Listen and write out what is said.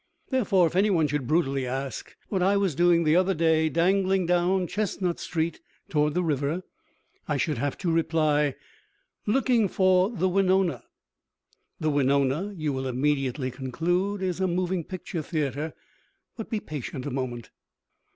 Therefore, if any one should brutally ask what I was doing the other day dangling down Chestnut Street toward the river, I should have to reply, "Looking for the Wenonah." The Wenonah, you will immediately conclude, is a moving picture theater. But be patient a moment.